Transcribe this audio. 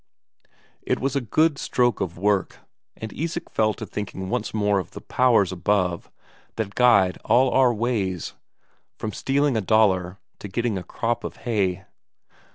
It was a good stroke of work, and Isak fell to thinking once more of the powers above that guide all our ways from stealing a Daler to getting a crop of hay.